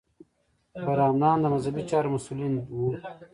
برهمنان د مذهبي چارو مسوولین وو.